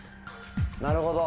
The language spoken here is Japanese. なるほど。